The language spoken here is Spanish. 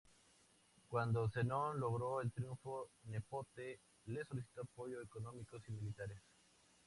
Cuando Zenón logró el triunfo, Nepote le solicitó apoyos económicos y militares.